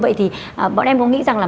vậy thì bọn em có nghĩ rằng là